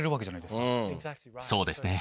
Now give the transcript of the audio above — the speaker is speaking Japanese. そうですね。